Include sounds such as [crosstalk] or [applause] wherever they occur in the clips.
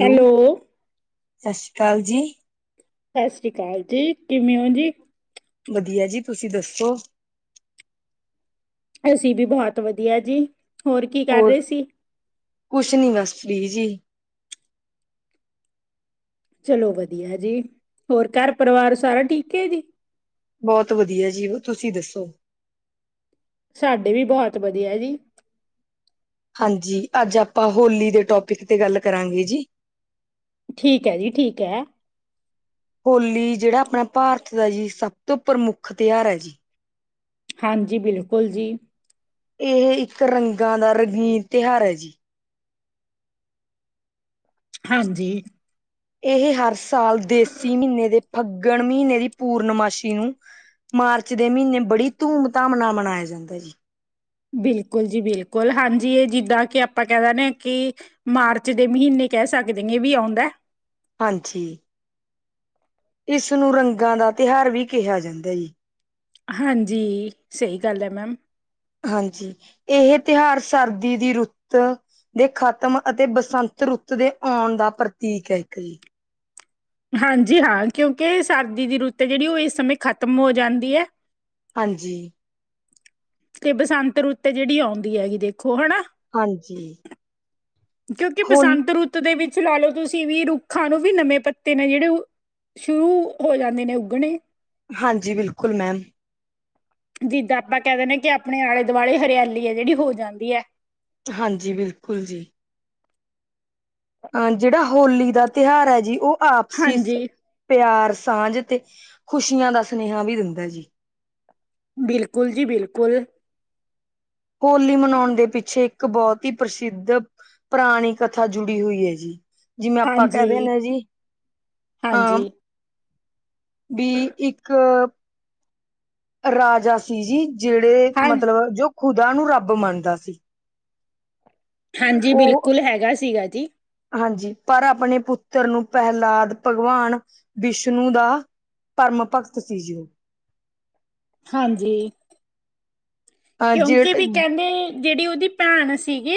Hello. ਸ ਸੀ਼ ਕਾਲ ਜੀ। ਸਾ ਸ਼੍ਰੀ ਕਾਲ ਜੀ, ਕਿਵੇਂ ਔਂ ਜੀ? ਵਧੀਆ ਜੀ, ਤੁਸੀਂ ਦੱਸੋ? ਅਸੀਂ ਵੀ ਬਹੌਤ ਵਧੀਆ ਜੀ, ਹੋਰ ਕੀ ਕਰ ਰਹੇ ਸੀ? ਕੁਛ ਨੀ ਬਸ ਫਿਲੀ ਜੀ। ਚਲੋ ਵਧੀਆ ਜੀ, ਹੋਰ ਘੱਰ ਪਰਿਵਾਰ ਸਾਰਾ ਠੀਕ ਏ ਜੀ? ਬੌਤ ਵਧੀਆ ਜੀ, ਉਹ ਤੁਸੀਂ ਦੱਸੋ? ਸਾਡੇ ਵੀ ਬਹੌਤ ਵਧੀਆ ਜੀ। ਹਾਂਜੀ, ਅੱਜ ਆਪਾਂ ਹੋਲੀ ਦੇ ਟੋਪਿਕ ਤੇ ਗੱਲ ਕਰਾਂਗੇ ਜੀ। ਠੀਕ ਐ ਜੀ, ਠੀਕ ਐ। ਹੋਲੀ, ਜੇੜਾ ਅਪਣਾ ਭਾਰਤ ਦਾ ਜੀ ਸਭ ਤੋਂ ਪ੍ਰਮੁੱਖ ਤਿਹਾਰ ਹੈ ਜੀ। ਹਾਂਜੀ, ਬਿਲਕੁਲ ਜੀ। ਏਹ ਇੱਕ ਰੰਗਾਂ ਦਾ ਰੰਗੀਨ ਤਿਹਾਰ ਹੈ ਜੀ। ਹਾਂਜੀ। ਏਹ ਹਰ ਸਾਲ ਦੇਸੀ ਮੀਨੇ ਦੇ ਫੱਗਣ ਮਹੀਨੇ ਦੀ ਪੂਰਨਮਾਸ਼ੀ ਨੂੰ ਮਾਰਚ ਦੇ ਮੀਨੇ ਬੜੀ ਧੂਮ-ਧਾਮ ਨਾਲ ਮਨਾਯਾ ਜਾਂਦੈ ਜੀ। ਬਿਲਕੁਲ ਜੀ ਬਿਲਕੁਲ, ਹਾਂਜੀ ਏ ਜਿੱਦਾਂ ਕਿ ਅਪਾਂ ਕੈ ਦੇਣੇ ਆਂ ਕਿ ਮਾਰਚ ਦੇ ਮੀਨੇ ਕੈਹ ਸਕਦੇ ਗੇਂ ਵੀ ਆਉਂਦੈ। ਹਾਂਜੀ, ਇਸ ਨੂੰ ਰੰਗਾਂ ਦਾ ਤਿਹਾਰ ਵੀ ਕਿਹਾ ਜਾਂਦਾ ਜੀ। ਹਾਂਜੀ, ਸਹੀ ਗੱਲ ਹੈ ਮੈਮ। ਹਾਂਜੀ, ਏਹ ਤਿਉਹਾਰ ਸਰਦੀ ਦੀ ਰੁੱਤ ਦੇ ਖ਼ਤਮ ਅਤੇ ਬਸੰਤ ਰੁੱਤ ਦੇ ਔਣ ਦਾ ਪ੍ਰਤੀਕ ਹੈ, ਇੱਕ ਜੀ। ਹਾਂਜੀ ਹਾਂ, ਕਿਉਂਕਿ ਸਰਦੀ ਦੀ ਰੁੱਤ ਹੈ ਜੇੜੀ ਓਹ ਇਸ ਸਮੇਂ ਖਤਮ ਹੋ ਜਾਂਦੀ ਐ‌। ਹਾਂਜੀ। ਤੇ ਬਸੰਤ ਰੁੱਤ ਜਿਹੜੀ ਆਉਂਦੀ ਹੈਗੀ ਦੇਖੋ ਹਨਾ। ਹਾਂਜੀ। ਕਿਉਂਕਿ ਹੋਲ ਬਸੰਤ ਰੁੱਤ ਦੇ ਵਿੱਚ ਲਾ ਲਓ ਤੁਸੀਂ ਵੀ ਰੁੱਖਾਂ ਨੂੰ ਵੀ ਨਵੇਂ ਪੱਤੇ ਨੇ ਜਿਹੜੇ ਓਹ। ਸ਼ੁਰੂ ਹੋ ਜਾਂਦੇ ਨੇ ਉੱਗਣੇ। ਹਾਂਜੀ ਬਿਲਕੁਲ ਮੈਮ। ਜਿੱਦਾਂ ਆਪਾਂ ਕਹਿ ਦਿੰਦੇ ਕਿ ਆਪਣੇ ਆਲੇ ਦੁਆਲੇ ਹਰਿਆਲੀ ਹੈ ਜਿਹੜੀ ਹੋ ਜਾਂਦੀ ਹੈ। ਹਾਂਜੀ ਬਿਲਕੁਲ ਜੀ। ਅ ਜੇੜਾ ਹੋਲੀ ਦਾ ਤਿਉਹਾਰ ਹੈ ਜੀ ਓਹ ਆਪਸੀ ਸ ਹਾਂਜੀ ਪਿਆਰ, ਸਾਂਝ ਤੇ ਖ਼ੁਸ਼ੀਆਂ ਦਾ ਸੁਨੇਹਾ ਵੀ ਦਿੰਦੈ ਜੀ। ਬਿਲਕੁਲ ਜੀ ਬਿਲਕੁਲ। ਹੋਲੀ ਮਨੋਣ ਦੇ ਪਿੱਛੇ ਇੱਕ ਬੌਤ ਹੀ ਪ੍ਰਸਿੱਧ ਪਰਾਣੀ ਕਥਾ ਜੁੜੀ ਹੁਈ ਏ ਜੀ। ਜਿਵੇ ਅਪਾਂ ਕੈ ਹਾਂਜੀ ਦਿੰਨੇ ਆ ਜੀ, ਆਂ ਹਾਂਜੀ ਵੀ ਇੱਕ ਰਾਜਾ ਸੀ ਜੀ ਜੇੜੇ ਹਾਂ ਮਤਲਬ ਜੋ ਖੁਦਾ ਨੂੰ ਰੱਬ ਮੰਨਦਾ ਸੀ। ਹਾਂਜੀ, ਉਹ ਬਿਲਕੁਲ ਹੈਗਾ ਸੀਗਾ ਜੀ। ਹਾਂਜੀ, ਪਰ ਆਪਣੇ ਪੁੱਤਰ ਨੂੰ ਪੈਹਲਾਦ ਭਗਵਾਨ ਵਿਸ਼ਨੂੰ ਦਾ ਭਰਮ ਭਗਤ ਸੀ ਜੀ ਔ। ਹਾਂਜੀ, ਅ ਜੇ ਕਿਉਂਕਿ ਬੀ ਕੈੰਦੇ ਜੇੜੀ ਉਦੀ ਭੈਣ ਸੀਗੀ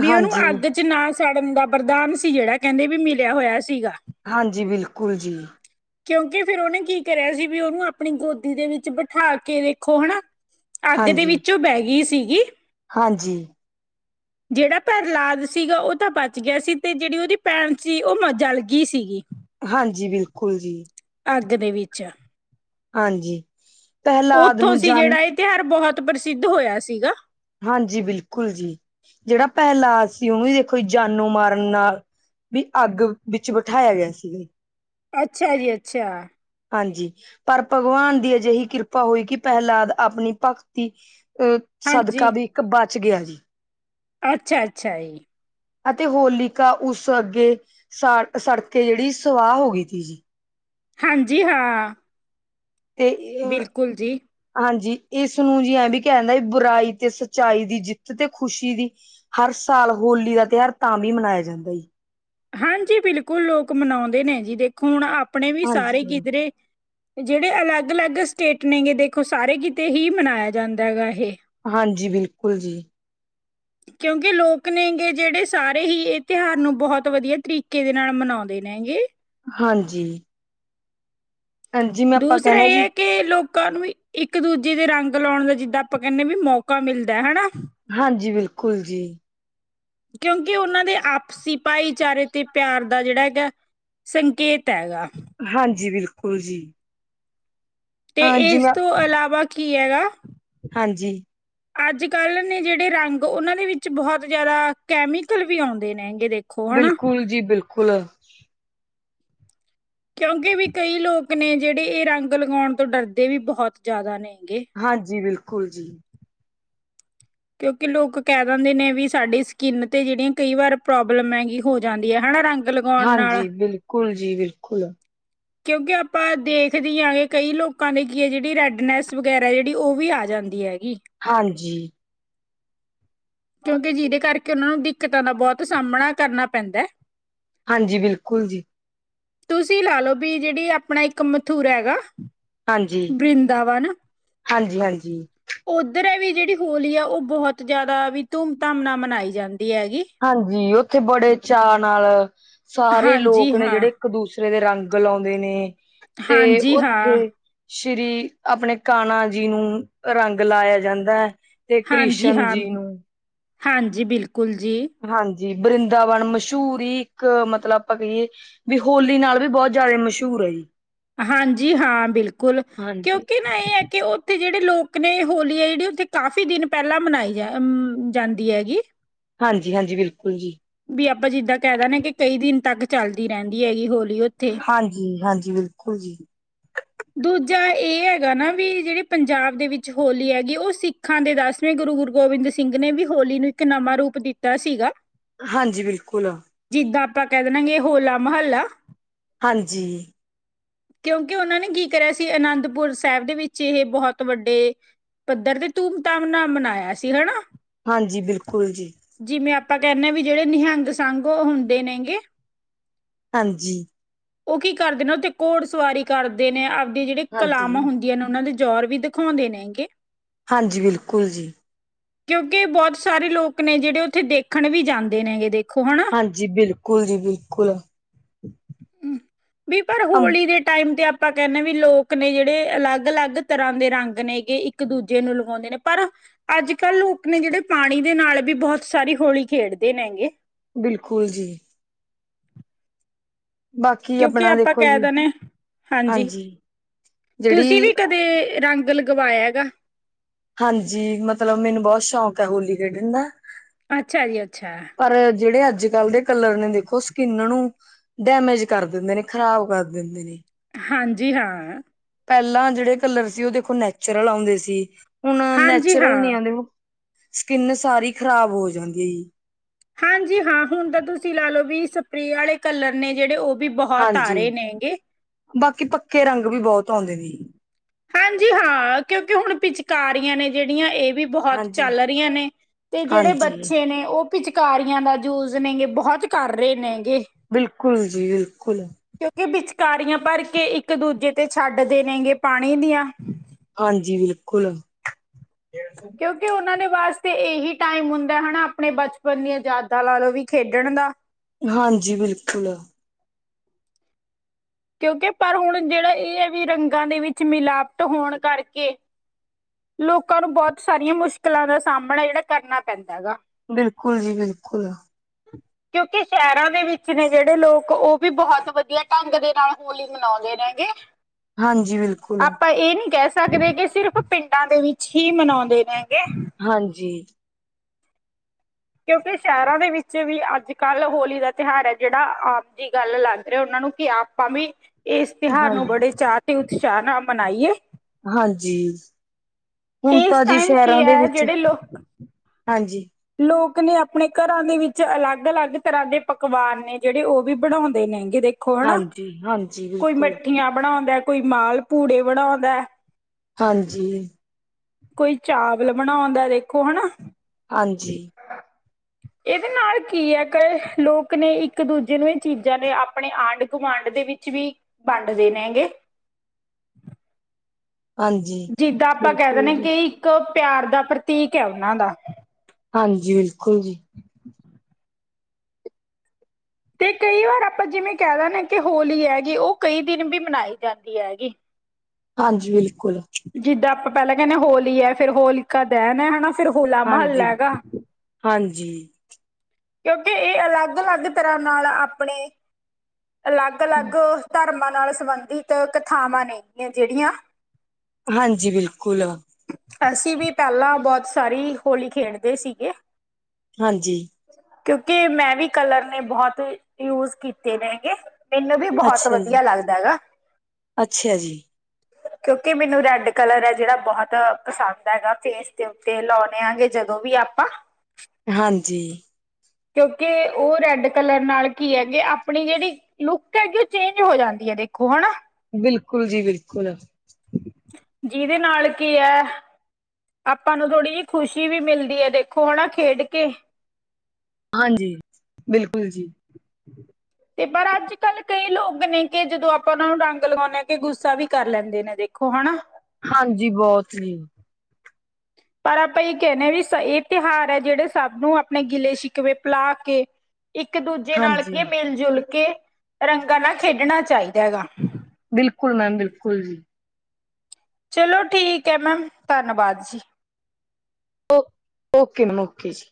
ਵੀ ਓਨੂੰ ਹਾਂਜੀ ਅੱਗ ਨਾ ਸਾੜਨ ਦਾ ਬਰਦਾਨ ਸੀ ਜੇੜਾ ਕੈੰਦੇ ਬੀ ਮਿਲਿਆ ਹੋਯਾ ਸੀਗਾ। ਹਾਂਜੀ, ਬਿਲਕੁਲ ਜੀ। ਕਿਉਂਕਿ ਫਿਰ ਉਹਨੇ ਕੀ ਕਰਿਆ ਸੀ ਵੀ ਉਹਨੂੰ ਆਪਣੀ ਗੋਦੀ ਦੇ ਵਿੱਚ ਬਿਠਾ ਕੇ ਦੇਖੋ ਹਨਾ। ਅੱਗ ਦੇ ਹਾਂਜੀ ਵਿੱਚੋਂ ਬਹਿ ਗਈ ਸੀਗੀ। ਹਾਂਜੀ। ਜਿਹੜਾ ਪ੍ਰਹਿਲਾਦ ਸੀਗਾ ਉਹ ਤਾਂ ਬਚ ਗਿਆ ਸੀ ਤੇ ਜਿਹੜੀ ਉਹਦੀ ਭੈਣ ਸੀ ਉਹ ਜਲ ਗਈ ਸੀਗੀ। ਹਾਂਜੀ ਬਿਲਕੁਲ। ਅੱਗ ਦੇ ਵਿੱਚ। ਹਾਂਜੀ ਪ੍ਰਹਿਲਾਦ ਉੱਥੋਂ ਨੂੰ ਸੀ ਜਾਨ। ਜਿਹੜਾ ਇਹ ਤਿਉਹਾਰ ਬਹੁਤ ਪ੍ਰਸਿੱਧ ਹੋਇਆ ਸੀਗਾ। ਹਾਂਜੀ ਬਿਲਕੁਲ ਜੀ ਜਿਹੜਾ ਪ੍ਰਹਿਲਾਦ ਸੀ ਉਹਨੂੰ ਵੀ ਦੇਖੋ ਜਾਨੋ ਮਾਰਨ ਨਾਲ। ਵੀ ਅੱਗ ਵਿੱਚ ਬਿਠਾਇਆ ਗਿਆ ਸੀਗਾ। ਅੱਛਾ ਜੀ ਅੱਛਾ। ਹਾਂਜੀ ਪਰ ਭਗਵਾਨ ਦੀ ਅਜਿਹੀ ਕਿਰਪਾ ਹੋਈ ਕਿ ਪ੍ਰਹਿਲਾਦ ਆਪਣੀ ਭਗਤੀ। ਅ ਸਦਕਾ ਹਾਂਜੀ ਵੀ ਇੱਕ ਬਚ ਗਿਆ ਜੀ। ਅੱਛਾ-ਅੱਛਾ ਜੀ। ਅਤੇ ਹੋਲਿਕਾ ਉਸ ਅੱਗੇ ਸ ਸੜਕੇ ਜਿਹੜੀ ਸਵਾਹ ਹੋ ਗਈ ਸੀ। ਹਾਂਜੀ ਹਾਂ। ਤੇ ਇਹ। ਬਿਲਕੁਲ ਜੀ ਹਾਂਜੀ ਇਸਨੂੰ ਜੀ ਐ ਵੀ ਕਹਿਦਾ ਬੁਰਾਈ ਤੇ ਸੱਚਾਈ ਦੀ ਜਿੱਤ ਤੇ ਖ਼ੁਸ਼ੀ ਦੀ। ਹਰ ਸਾਲ ਹੋਲੀ ਦਾ ਤਿਉਹਾਰ ਤਾਂ ਵੀ ਮਨਾਇਆ ਜਾਂਦਾ। ਹਾਂਜੀ ਬਿਲਕੁਲ ਲੋਕ ਮਨਾਉਂਦੇ ਨੇ ਜੀ ਦੇਖੋ ਹੁਣ ਆਪਣੇ ਵੀ ਹਾਂਜੀ ਸਾਰੇ ਕਿਧਰੇ। ਜਿਹੜੇ ਅਲੱਗ-ਅਲੱਗ ਸਟੇਟ ਨੇ ਗ ਦੇਖੋ ਸਾਰੇ ਕਿਤੇ ਹੀ ਮਨਾਇਆ ਜਾਂਦਾ ਹੈਗਾ ਇਹ। ਹਾਂਜੀ ਬਿਲਕੁਲ ਜੀ। ਕਿਉਂਕਿ ਲੋਕ ਨੇਗੇ ਜਿਹੜੇ ਸਾਰੇ ਹੀ ਇਹ ਤਿਉਹਾਰ ਨੂੰ ਬਹੁਤ ਵਧੀਆ ਤਰੀਕੇ ਦੇ ਨਾਲ ਮਨਾਉਂਦੇ ਨੇ ਹੈਗੇ। ਹਾਂਜੀ। ਜਿਵੇਂ ਆਪਾਂ ਕਹਿਣੇ ਜੀ ਦੂਸਰੇ, ਕਿ ਲੋਕਾਂ ਨੂੰ ਇੱਕ ਦੂਜੇ ਦੇ ਰੰਗ ਲਾਉਣ ਦਾ ਜਿੱਦਾਂ ਆਪਾਂ ਕਹਿੰਦੇ ਵੀ ਮੌਕਾ ਮਿਲਦਾ ਹਨਾ। ਹਾਂਜੀ, ਬਿਲਕੁਲ ਜੀ। ਕਿਉਂਕਿ ਉਹਨਾਂ ਦੇ ਆਪਸੀ ਭਾਈਚਾਰੇ ਤੇ ਪਿਆਰ ਦਾ ਜਿਹੜਾ ਹੈਗਾ, ਸੰਕੇਤ ਹੈ ਗਾ, ਹਾਂਜੀ, ਬਿਲਕੁਲ ਜੀ। ਤੇ ਅ ਇਸ ਜਿਵੇਂ ਤੋਂ ਇਲਾਵਾ ਕੀ ਹੈਗਾ? ਹਾਂਜੀ। ਅੱਜ ਕੱਲ੍ਹ ਨੇ ਜਿਹੜੇ ਰੰਗ ਉਨ੍ਹਾਂ ਵਿੱਚ ਬਹੁਤ ਜ਼ਿਆਦਾ ਕੈਮੀਕਲ ਵੀ ਆਉਂਦੇ ਨੇ ਦੇਖੋ। ਹਨਾ। ਬਿਲਕੁਲ ਜੀ, ਬਿਲਕੁਲ। ਕਿਉਂਕਿ ਕਈ ਲੋਕ ਨੇ ਜਿਹੜੇ ਇਹ ਰੰਗ ਲਗਵਾਉਣ ਤੋਂ ਬਹੁਤ ਡਰਦੇ ਨੇ ਗੇ। ਹਾਂਜੀ, ਬਿਲਕੁਲ ਜੀ। ਕਿਉਂਕਿ ਲੋਕ ਕਹਿ ਦਿੰਦੇ ਨੇ ਵੀ ਸਾਡੀ ਸਕਿਨ ਤੇ ਜਿਹੜੀ ਕਈ ਵਾਰ ਪ੍ਰੋਬਲਮ ਹੈਗੀ ਹੋ ਜਾਂਦੀ ਹੈ ਹਨਾ ਰੰਗ ਲਗਾਉਣ ਹਾਂਜੀ, ਨਾਲ। ਬਿਲਕੁਲ ਜੀ ਬਿਲਕੁਲ। ਕਿਉਂਕਿ ਆਪਾਂ ਦੇਖਦੇ ਹਾਂ ਕਿ ਕਈ ਲੋਕਾਂ ਲਈ ਕੀ ਹੈ ਜਿਹੜੀ ਰੇਡਣੇਸ ਵਗੈਰਾ ਜਿਹੜੀ ਉਹ ਵੀ ਆ ਜਾਂਦੀ ਹੁੰਦੀ ਹੈਗੀ, ਹਾਂਜੀ। ਕਿਉਂਕਿ ਜਿਹਦੇ ਕਰਕੇ ਉਹਨਾਂ ਨੂੰ ਦਿੱਕਤਾਂ ਦਾ ਬਹੁਤ ਸਾਹਮਣਾ ਕਰਨਾ ਪੈਂਦਾ। ਹਾਂਜੀ, ਬਿਲਕੁਲ ਜੀ। ਤੁਸੀਂ ਲਾਲੋ ਵੀ ਜਿਹੜੀ ਆਪਣਾ ਇੱਕ ਮਥੁਰ ਹੈਗਾ, ਹਾਂਜੀ ਬਰਿੰਦਾਵਨ, ਹਾਂਜੀ ਹਾਂਜੀ ਉੱਧਰ ਵੀ ਜਿਹੜੀ ਹੋਲੀ ਆ ਉਹ ਬਹੁਤ ਜਿਆਦਾ ਵੀ ਧੂਮ ਧਾਮ ਨਾਲ ਮਨਾਈ ਜਾਂਦੀ ਹੈ ਗੀ। ਹਾਂਜੀ, ਉੱਥੇ ਬੜੇ ਚਾਅ ਨਾਲ ਸਾਰੇ ਹਾਂਜੀ ਲੋਕ ਨੇ ਹਾਂ ਜਿਹੜੇ। ਇੱਕ ਦੂਸਰੇ ਦੇ ਰੰਗ ਲਾਉਂਦੇ ਨੇ ਤੇ ਹਾਂਜੀ, ਹਾਂ। ਉੱਥੇ, ਸ਼੍ਰੀ ਆਪਣੇ ਕਾਹਨਾਂ ਜੀ ਨੂੰ ਰੰਗ ਲਾਇਆ ਜਾਂਦਾ ਹੈ। ਤੇ ਹਾਂਜੀ ਕ੍ਰਿਸ਼ਨ ਹਾਂ, ਜੀ ਨੂੰ ਹਾਂਜੀ ਬਿਲਕੁਲ ਜੀ। ਹਾਂ ਜੀ, ਵ੍ਰਿੰਦਾਵਨ ਮਸ਼ੁਰੀ ਇੱਕ ਮਤਲਬ ਆਪਾਂ ਕਹੀਏ, ਵੀ ਹੋਲੀ ਨਾਲ ਵੀ ਬਹੁਤ ਮਸ਼ਹੂਰ ਹੈ। ਹਾਂਜੀ ਹਾਂ, ਬਿਲਕੁਲ ਹਾਂਜੀ ਕਿਉਂਕਿ ਨਾ ਇਹ ਹੈ ਕਿ ਉਹ ਉੱਥੇ ਦੇ ਲੋਕ ਨੇ ਹੋਲੀ ਆ ਜਿਹੜੀ ਕਾਫ਼ੀ ਦਿਨ ਪਹਿਲਾਂ ਮਨਾਈ ਜਾਂਦੀ ਹੈ ਗੀ। ਹਾਂਜੀ, ਹਾਂਜੀ, ਬਿਲਕੁਲ ਜੀ। ਆਪਾਂ ਜਿਦਾਂ ਕਹਿ ਦਿੰਨੇ ਆ ਕਈ ਦਿਨਾਂ ਤੱਕ ਚੱਲਦੀ ਰਹਿੰਦੀ ਹੈ ਉੱਥੇ। ਹਾਂਜੀ, ਹਾਂਜੀ, ਬਿਲਕੁਲ ਜੀ। ਦੂਜਾ ਇਹ ਹੈ ਕਿ ਪੰਜਾਬ ਵਿੱਚ ਹੋਲੀ ਦਾ ਸਿੱਖਾਂ ਦੇ ਦਸ ਜਿਵੇਂ ਗੁਰੂ ਗੋਬਿੰਦ ਸਿੰਘ ਜੀ ਨੇ ਵੀ ਹੋਲੀ ਨੂੰ ਇੱਕ ਨਵਾਂ ਰੂਪ ਦਿੱਤਾ ਸੀ ਗਾ। ਹਾਂਜੀ, ਬਿਲਕੁਲ। ਜਿਦਾਂ ਆਪਾਂ ਕਹਿ ਦਿੰਨੇ ਆ 'ਹੋਲਾ ਮਹੱਲਾ', ਹਾਂਜੀ। ਕਿਉਂਕਿ ਉਹਨਾ ਨੇ ਕੀ ਕਰਿਆ ਸੀ ਆਨੰਦਪੁਰ ਸਾਹਿਬ ਦੇ ਵਿੱਚ ਇਹ ਬਹੁਤ ਵੱਡੇ, ਪੱਧਰ ਤੇ ਧੂਮ-ਧਾਮ ਨਾਲ ਮਨਾਇਆ ਸੀ ਹਨਾ, ਹਾਂਜੀ, ਬਿਲਕੁਲ ਜੀ। ਜਿਵੇਂ ਆਪਾਂ ਕਹਿੰਦੇ ਹਾਂ ਕਿ ਜਿਹੜੇ ਨਿਹੰਗ ਸਿੰਘ ਹੁੰਦੇ ਨੇ ਗੇ। ਹਾਂਜੀ। ਉਹ ਕੀ ਕਰਦੇ ਨੇ ਉੱਥੇ ਘੋੜਸਵਾਰੀ ਕਰਦੇ ਨੇ ਆਬਦੇ ਜਿਹੜੇ ਕਲਾਮ ਹਾਂਜੀ ਹੁੰਦੇ ਉਹਨਾ ਦੇ ਜ਼ੋਰ ਵੀ ਦਿਖਾਉਂਦੇ ਨੇ ਗੇ। ਹਾਂਜੀ, ਬਿਲਕੁਲ ਜੀ। ਕਿਉਂਕਿ ਬਹੁਤ ਸਾਰੇ ਲੋਕ ਨੇ ਜਿਹੜੇ ਉੱਥੇ ਦੇਖਣ ਵੀ ਜਾਂਦੇ ਨੇ ਗੇ ਦੇਖੋ ਹਨਾ। ਹਾਂਜੀ, ਬਿਲਕੁਲ ਜੀ। [unintelligible] ਅਮ ਆਪਾਂ ਕਹਿੰਣੇ ਵੀ ਹਾਂ ਕਿ ਲੋਕ ਨੇ ਜਿਹੜੇ ਅਲੱਗ-ਅਲੱਗ ਤਰ੍ਹਾਂ ਦੇ ਰੰਗ ਇੱਕ-ਦੂਜੇ ਨੂੰ ਲਗਾਉਂਦੇ ਨੇ ਪਰ ਅੱਜਕੱਲ੍ਹ ਲੋਕ ਪਾਣੀ ਦੇ ਨਾਲ ਵੀ ਬਹੁਤ ਸਾਰੀ ਹੋਲੀ ਖੇਡਦੇ ਨੇ ਹੈਗੇ। ਬਿਲਕੁਲ ਜੀ। ਬਾਕੀ ਕਿਉਂਕਿ ਆਪਣਾ ਆਪਾਂ ਦੇਖੋ ਕਹਿ ਜੀ ਦਿੰਦੇ ਹਾਂਜੀ। ਤੁਸੀਂ ਵੀ ਜਿਹੜੀ ਕਦੇ ਰੰਗ ਲਗਵਾਇਆ ਹੈਗਾ। ਹਾਂਜੀ ਮਤਲਬ ਮੈਨੂੰ ਬਹੁਤ ਸੌਂਕ ਆ ਹੋਲੀ ਖੇਡਣ ਦਾ ਅੱਛਾ ਜੀ ਅੱਛਾ। ਪਰ ਜਿਹੜੇ ਅੱਜ ਕੱਲ੍ਹ ਦੇ ਕਲਰ ਨੇ ਦੇਖੋ ਸਕਿੰਨਾ ਨੂੰ ਡੈਮੇਜ ਕਰ ਦਿੰਦੇ ਨੇ ਖ਼ਰਾਬ ਕਰ ਦਿੰਦੇ ਨੇ। ਹਾਂਜੀ ਹਾਂ। ਪਹਿਲਾਂ ਜਿਹੜੇ ਕਲਰ ਸੀ ਉਹ ਦੇਖੋ ਨੈਚੁਰਲ ਆਉਂਦੇ ਸੀ ਹੁਣ ਹਾਂਜੀ ਨੈਚੁਰਲ ਨ ਹਾਂ ਆਂਦੇ। ਸਕਿੰਨ ਸਾਰੀ ਖ਼ਰਾਬ ਹੋ ਜਾਂਦੀ। ਹਾਂਜੀ ਹਾਂ ਹੁਣ ਤਾਂ ਤੁਸੀਂ ਲਾ ਲੋ ਵੀ ਸਪਰੇਅ ਅਲੇ ਕਲਰ ਨੇ ਉਹ ਬੀ ਬਹੁਤ ਹਾਂਜੀ ਤਾਰੇ ਨੇਗੇ। ਬਾਕੀ ਪੱਕੇ ਰੰਗ ਵੀ ਬਹੁਤ ਆਂਉਦੇ ਨੇ। ਹਾਂਜੀ ਹਾਂ ਕਿਉਕਿ ਹੁਣ ਪਿਚਕਾਰੀਆਂ ਏ ਜਿਹੜੀਆਂ ਏ ਵੀ ਬਹੁਤ ਹਾਂਜੀ ਚੱਲ ਰਹੀਆਂ ਨੇ ਤੇ ਜਿਹੜੇ ਹਾਂਜੀ ਬੱਚੇ ਉਹ- ਪਿਚਕਾਰੀਆਂ ਦਾ ਯੂਜ ਨੇਗੇ ਬਹੁਤ ਕਰ ਰਹੇ ਨੇਗੇ। ਬਿਲਕੁਲ ਜੀ ਬਿਲਕੁਲ ਕਿਉਂਕਿ ਉਹ ਪਿਚਕਾਰੀਆਂ ਵਿੱਚ ਭਰ ਕੇ ਇੱਕ-ਦੂਜੇ ਉਤੇ ਛੱਡਦੇ ਨੇ ਪਾਣੀ ਦੀਆਂ ਹਾਂਜੀ ਬਿਲਕੁਲ ਕਿਉਂਕਿ ਉਨ੍ਹਾਂ ਨੇ ਵਾਸਤੇ ਇਹੀ ਟਾਈਮ ਹੁੰਦਾ ਹਨਾ ਆਪਣੇ ਬਚਪਨ ਦੀਆਂ ਯਾਦਾਂ ਵੀ ਲਾ ਲੋ ਖੇਡਣ ਦਾ ਹਾਂਜੀ ਬਿਲਕੁਲ ਕਿਉਂਕਿ ਪਰ ਹੁਣ ਜਿਹੜਾ ਏ ਵੀ ਰੰਗਾਂ ਵਿੱਚ ਮਿਲਾਵਟ ਹੋਣ ਕਰਕੇ ਲੋਕਾਂ ਨੂੰ ਬਹੁਤ ਸਾਰੀਆਂ ਮੁਸ਼ਕਲਾਂ ਦਾ ਸਾਹਮਣਾ ਜਿਹੜਾ ਕਰਨਾ ਪੈਂਦਾ ਹੈਗਾ। ਬਿਲਕੁਲ ਜੀ ਬਿਲਕੁਲ ਕਿਉਂਕਿ ਸ਼ਹਿਰਾਂ ਦੇ ਵਿੱਚ ਨੇ ਜਿਹੜੇ ਲੋਕ ਉਹ ਵੀ ਬਹੁਤ ਵਧੀਆ ਢੰਗ ਦੇ ਨਾਲ ਹੋਲੀ ਮਨਾਉਂਦੇ ਨੇ। ਇ ਹਾਂਜੀ ਬਿਲਕੁਲ ਆਪਾਂ ਇਹ ਨੀ ਕਹਿ ਸਕਦੇ ਕਿ ਸਿਰਫ ਪਿੰਡਾਂ ਦੇ ਵਿੱਚ ਹੀ ਮਨਾਉਂਦੇ ਨੇਗੇ। ਹਾਂਜੀ ਕਿਉਂਕਿ ਸ਼ਹਿਰਾਂ ਦੇ ਵਿੱਚ ਵੀ ਅੱਜ ਕੱਲ੍ਹ ਹੋਲੀ ਦਾ ਤਿਉਹਾਰ ਹੈ ਜਿਹੜਾ ਆਪ ਜੀ ਗੱਲ ਲੱਗ ਰਿਹਾ ਉਹਨਾਂ ਨੂੰ ਕੀ ਆਪ ਆਪਾਂ ਵੀ ਇਸ ਤਿਉਹਾਰ ਨੂੰ ਹਾਂਜੀ ਬੜੇ ਚਾਅ ਤੇ ਉਤਸ਼ਾਹ ਨਾਲ ਮਨਾਈਏ। ਹਾਂਜੀ ਹੁਣ ਇਸ ਤਾ ਜੀ ਟਾਈਮ ਸ਼ਹਿਰਾਂ ਕੀ ਦੇ ਹੈ ਵਿੱਚ ਜਿਹੜੇ ਲੋਕ ਹਾਂਜੀ। ਲੋਕ ਨੇ ਆਪਣੇ ਘਰਾਂ ਦੇ ਵਿੱਚ ਅਲੱਗ- ਅਲੱਗ ਤਰ੍ਹਾਂ ਦੇ ਪਕਵਾਨ ਨੇ ਜਿਹੜੇ ਉਹ ਵੀ ਬਣਾਉਂਦੇ ਨੇਗੇ ਦੇ ਖੋ ਨਾ ਹਾਂਜੀ ਹਾਂਜੀ ਕੋਈ ਬਿਲਕੁਲ ਮੱਠੀਆਂ ਬਣਾਉਂਦਾ ਕੋਈ ਮਾਲ ਪੂੜੇ ਬਣਾਉਂਦਾ। ਹਾਂਜੀ ਕੋਈ ਚਾਵਲ ਬਣਾਉਂਦਾ ਦੇਖੋ ਹਨਾ। ਹਾਂਜੀ [inaudible] ਇਹਦੇ ਨਾਲ ਕੀ ਹੈ ਕਿ ਲੋਕ ਨੇ ਇੱਕ ਦੂਜੇ ਨੂੰ ਇਹ ਚੀਜ਼ਾਂ ਨੇ ਆਪਣੇ ਆਂਢ ਗੁਵਾਂਢ ਦੇ ਵਿੱਚ ਵੀ ਵੰਡਦੇ ਨੇਗੇ। ਹਾਂਜੀ ਜਿੱਦਾਂ ਆਪਾਂ ਕਹਿ ਬਿਲਕੁਲ ਦਿੰਣੇ ਜੀ ਕਿ ਇੱਕ ਪਿਆਰ ਦਾ ਪ੍ਰਤੀਕ ਹੈ ਉਹਨਾਂ ਦਾ ਹਾਂਜੀ ਬਿਲਕੁਲ ਜੀ। ਤੇ ਕਈ ਵਾਰ ਆਪਾਂ ਜਿਵੇਂ ਕਹਿ ਦੇਦੇਂ ਹ ਕਿ ਹੋਲੀ ਹੈਗੀ ਉਹ ਕਈ ਦਿਨ ਵੀ ਮਨਾਈ ਜਾਂਦੀ ਹੈਗੀ। ਹਾਂਜੀ ਬਿਲਕੁਲ ਜਿੱਦਾਂ ਆਪਾਂ ਪਹਿਲਾਂ ਕਹਿੰਦੇ ਹੋਲੀ ਹੈ ਫਿਰ ਹੋਲੀਕਾ ਦਹਿਨ ਹੈ ਹਨਾ ਫਿਰ ਹੋਲਾ ਮਹੱਲਾ ਹਾਂਜੀ ਹੈਗਾ। ਹਾਂਜੀ ਕਿਉਂਕਿ ਇਹ ਅਲੱਗ-ਅਲੱਗ ਤਰ੍ਹਾਂ ਨਾਲ ਆਪਣੇ ਅਲੱਗ-ਅਲੱਗ ਧਰਮ ਨਾਲ ਸੰਬੰਧਿਤ ਕਥਾਵਾਂ ਨੇ ਜਿਹੜੀਆਂ ਹਾਂਜੀ ਬਿਲਕੁਲ ਅਸੀਂ ਵੀ ਪਹਿਲਾਂ ਬਹੁਤ ਸਾਰੀ ਹੋਲੀ ਖੇਡਦੇ ਸੀਗੇ। ਹਾਂਜੀ। ਕਿਉਂਕਿ ਮੈਂ ਵੀ ਕਲਰ ਨੇ ਬਹੁਤ ਯੂਜ ਕੀਤੇ ਨੇ ਹੈਗੇ। ਮੈਨੂੰ ਵੀ ਬਹੁਤ ਅੱਛਾ ਜੀ ਵਧੀਆ ਲੱਗਦਾ ਹੈਗਾ। । ਕਿਉਂਕਿ ਮੈਨੂੰ ਰੈਡ ਕਲਰ ਹੈ ਜਿਹੜਾ ਬਹੁਤ ਪਸੰਦ ਹੈਗਾ। ਫੇਸ ਦੇ ਉੱਤੇ ਲਾਉਂਣੇ ਆ ਗ ਜਦੋਂ ਵੀ ਆਪਾਂ। ਹਾਂਜੀ। ਕਿਉਂਕਿ। ਉਹ ਰੈਡ ਕਲਰ ਨਾਲ ਕੀ ਹੈਗੇ। ਆਪਣੀ ਜਿਹੜੀ ਲੁੱਕ ਹੈਗੀ। ਉਹ ਚੇਂਜ ਹੋ ਜਾਂਦੀ ਹੈ ਦੇਖੋ ਹਨਾ। ਬਿਲਕੁਲ ਜੀ ਬਿਲਕੁਲ। ਜਿਹਦੇ ਨਾਲ ਕੀ ਹੈ। ਆਪਾਂ ਨੂੰ ਥੋੜ੍ਹੀ ਜਿਹੀ ਖੁਸ਼ੀ ਵੀ ਮਿਲਦੀ ਹੈ। ਦੇਖੋ ਹਨ ਨਾ ਖੇਡ ਕੇ। ਹਾਂਜੀ ਬਿਲਕੁਲ ਜੀ। ਤੇ ਪਰ ਅੱਜ ਕੱਲ ਕਈ ਲੋਕ ਨੇ। ਕਿ ਜਦੋਂ ਆਪਾਂ ਉਹਨਾਂ ਨੂੰ ਰੰਗ ਲਗਾਉਂਦੇ ਹਾਂ। ਕਿ ਗੁੱਸਾ ਵੀ ਕਰ ਲੈਂਦੇ। ਨੇ ਜੇ ਕਣ। ਹਾਂਜੀ ਬਹੁਤ ਹੀ। ਪਰ ਆਪਾਂ ਇਹ ਕਹਿੰਦੇ ਹਾਂ ਵੀ। ਇਹ ਤਿਉਹਾਰ ਹੈ ਜਿਹੜੇ ਸਭ ਨੂੰ ਆਪਣੇ ਗਿੱਲੇ ਕਵੇ ਪਿਲਾ ਕੇ। ਇੱਕ ਦੂਜੇ ਨਾਲ ਹਾਂਜੀ ਕੇ ਮਿਲ ਜੁਲ ਕੇ ਰੰਗਾਂ ਨਾਲ ਖੇਡਣਾ ਚਾਹੀਦਾ ਹੈਗਾ। ਬਿਲਕੁਲ ਮੈਮ ਬਿਲਕੁਲ ਜੀ। ਚਲੋ ਠੀਕ ਹੈ। ਮੈਮ ਧੰਨਵਾਦ ਜੀ। Okay ma'am. ਓਕੇ ਜੀ।